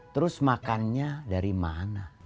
terus makannya dari mana